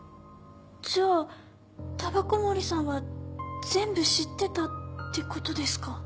じゃあ煙草森さんは全部知ってたってことですか？